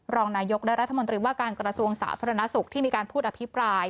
รองนายกและรัฐมนตรีว่าการกระทรวงสาธารณสุขที่มีการพูดอภิปราย